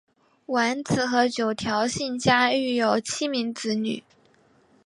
完子和九条幸家育有七名子女。